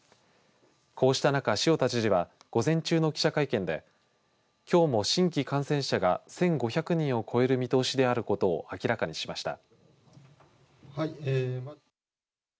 こうした中、塩田知事は午前中の記者会見できょうも新規感染者が１５００人を超える見通しであることを明らかにしました。